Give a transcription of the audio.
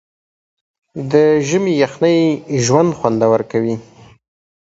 د ژمي یخنۍ ژوند خوندور کوي.